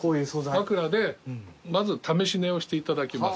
枕でまず試し寝をしていただきます。